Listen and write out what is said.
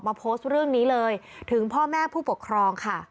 โพสต์เรื่องนี้เลยถึงพ่อแม่ผู้ปกครองค่ะ